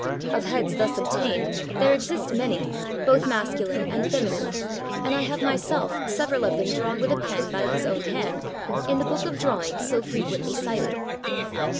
Of heads thus obtained there exist many, both masculine and feminine; and I have myself several of them drawn with a pen by his own hand, in the book of drawings so frequently cited.